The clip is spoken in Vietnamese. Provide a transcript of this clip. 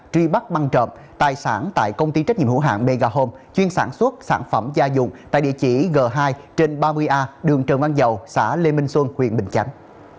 truy bắt băng trộm tài sản tại công ty trách nhiệm hữu hạng bga home chuyên sản xuất sản phẩm gia dụng tại địa chỉ g hai trên ba mươi a đường trần văn dầu xã lê minh xuân huyện bình chánh